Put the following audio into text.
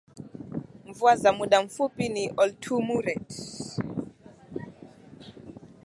Mvua za muda mfupi ni Oltumuret